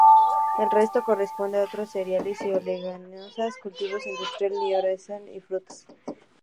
El resto corresponde a otros cereales y oleaginosas; cultivos industriales y hortalizas y frutas.